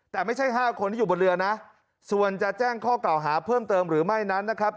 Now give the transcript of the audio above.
แต่ไม่ใช่๕คนที่อยู่บนเรือนะส่วนจะแจ้งข้อกล่าวหาเพิ่มเติมหรือไม่นั้นนะครับ